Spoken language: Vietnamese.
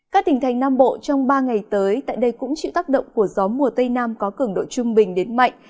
các tỉnh thành nam bộ trong ba ngày tới tại đây cũng chịu tác động của gió mùa tây nam có cường độ trung bình đến mạnh